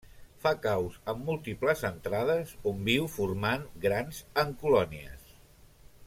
Fa caus amb múltiples entrades on viu formant grans en colònies.